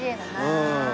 うん。